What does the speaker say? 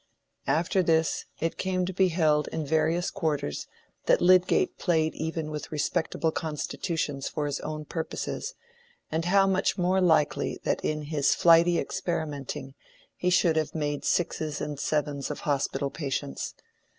After this, it came to be held in various quarters that Lydgate played even with respectable constitutions for his own purposes, and how much more likely that in his flighty experimenting he should make sixes and sevens of hospital patients.